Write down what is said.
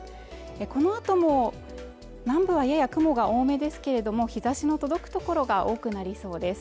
このあとも南部はやや雲が多めですけれども日ざしの届く所が多くなりそうです